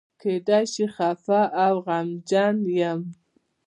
کېدای شي خپه او غمجن یم.